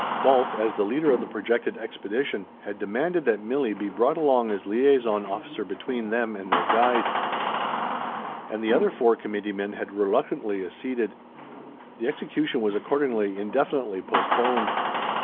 Dolf, as the leader of the projected expedition, had demanded that Milli be brought along as liaison officer between them and their guide; and the other four committeemen had reluctantly acceded. The execution was accordingly indefinitely postponed.